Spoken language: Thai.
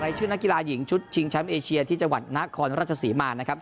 ชื่อนักกีฬาหญิงชุดชิงแชมป์เอเชียที่จังหวัดนครราชศรีมานะครับ